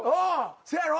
せやろ？